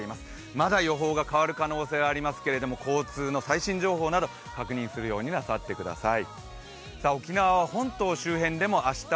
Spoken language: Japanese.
まだ予報が変わる可能性はありますけど、交通の最新情報など確認するようになさってください。